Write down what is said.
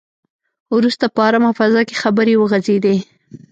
وروسته په ارامه فضا کې خبرې وغځېدې.